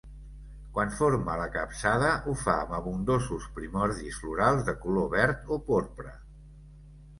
Quan forma la capçada ho fa amb abundosos primordis florals de color verd o porpra.